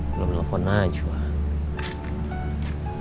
belum telepon aja wak